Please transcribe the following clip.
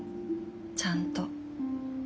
ちゃんと。